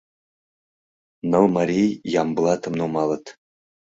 Ныл марий Ямблатым нумалыт.